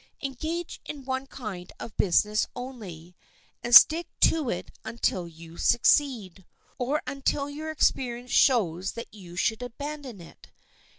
Engage in one kind of business only, and stick to it until you succeed, or until your experience shows that you should abandon it.